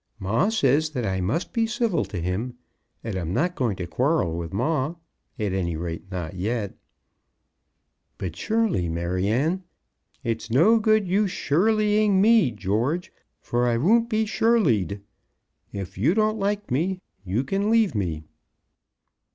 Ma says that I must be civil to him, and I'm not going to quarrel with ma. At any rate not yet." "But surely, Maryanne " "It's no good you surelying me, George, for I won't be surelyed. If you don't like me you can leave me."